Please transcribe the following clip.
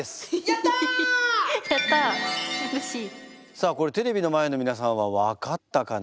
さあこれテレビの前の皆さんは分かったかな？